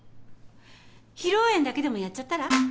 披露宴だけでもやっちゃったら？